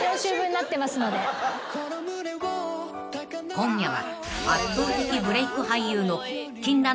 ［今夜は］